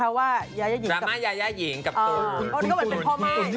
ดราม่ายายายี่งกับตุน